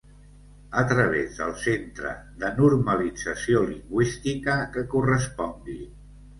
A través del Centre de Normalització Lingüística que correspongui.